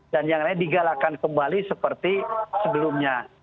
dan yang lainnya digalakkan kembali seperti sebelumnya